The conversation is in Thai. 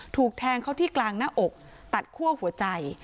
ถูกแทงเขาที่กลางหน้าอกตัดคั่วหัวใจ